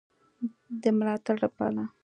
د ملاتړ لپاره